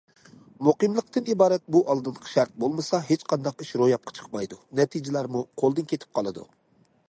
مۇقىملىقتىن ئىبارەت بۇ ئالدىنقى شەرت بولمىسا، ھېچقانداق ئىش روياپقا چىقمايدۇ، نەتىجىلەرمۇ قولدىن كېتىپ قالىدۇ.